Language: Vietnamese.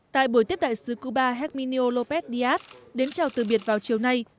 tại buổi tiếp đại sứ cuba herminio lópez díaz đến chào từ biệt vào chiều nay